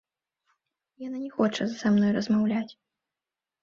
Яна не хоча са мной размаўляць.